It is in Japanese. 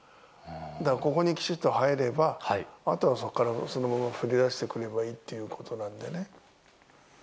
だからここにきちっと入れば、あとはそこからそのまま振り出してくればいいということなのでね。